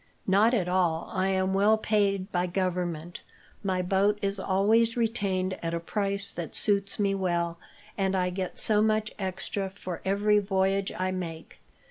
"Not at all. I am well paid by Government. My boat is always retained at a price that suits me well, and I get so much extra for every voyage I make.